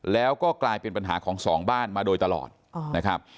แล้วก็กลายเป็นปัญหาของสองบ้านมาโดยตลอดนะครับ